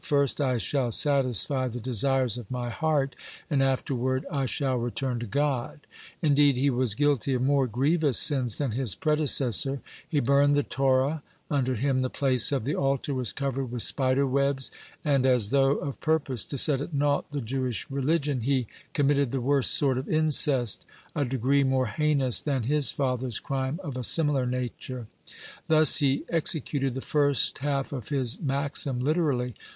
First I shall satisfy the desires of my heart, and afterward I shall return to God." (111) Indeed, he was guilty of more grievous sins than his predecessor; he burned the Torah; under him the place of the altar was covered with spiderwebs; and, as though of purpose to set at naught the Jewish religion, he committed the worst sort of incest, a degree more heinous than his father's crime of a similar nature. (112) Thus he executed the first half of his maxim literally.